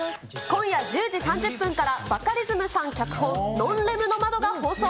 今夜１０時３０分から、バカリズムさん脚本、ノンレムの窓が放送。